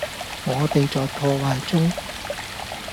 我地在破壞中